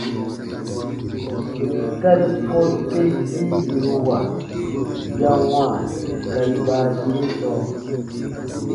Gari kom temgii yiruwa ya wãa gari baayire sɔɔ.